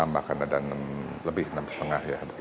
bahkan ada enam lebih enam lima ya